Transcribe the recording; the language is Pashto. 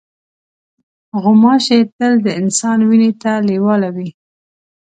غوماشې تل د انسان وینې ته لیواله وي.